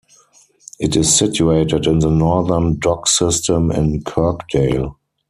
It is situated in the northern dock system in Kirkdale.